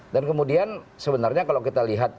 dan kemudian sebenarnya kalau kita lihat